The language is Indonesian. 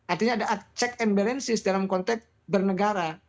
artinya ada check and balances dalam konteks bernegara